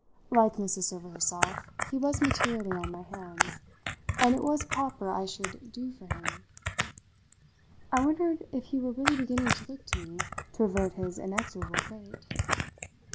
Like Mrs. Server herself, he was materially on my hands, and it was proper I should "do" for him. I wondered if he were really beginning to look to me to avert his inexorable fate.